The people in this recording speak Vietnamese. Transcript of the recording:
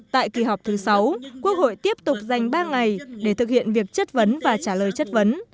tại kỳ họp thứ sáu quốc hội tiếp tục dành ba ngày để thực hiện việc chất vấn và trả lời chất vấn